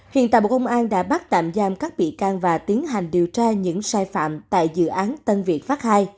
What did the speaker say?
hiện tại bộ công an đã bắt tạm giam các bị can và tiến hành điều tra những sai phạm tại dự án tân việt pháp ii